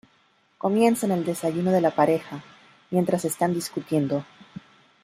Comienza en el desayuno de la pareja, mientras están discutiendo.